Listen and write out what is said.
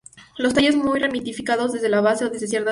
Los tallos muy ramificados desde la base o desde cierta altura.